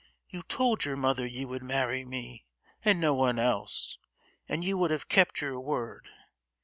You told your mother you would marry me, and no one else, and you would have kept your word!